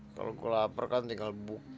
kalau gue lapar kan tinggal buka